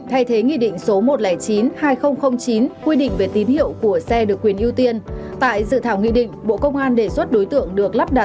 hà nội đề xuất bức học phí mới với các cơ sở giáo dục công lập chất lượng cao